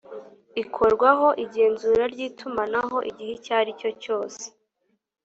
ikorwaho igenzura ry itumanaho igihe icyo ari cyo cyose